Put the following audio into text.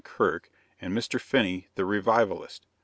Kirk, and Mr. Finney the revivalist.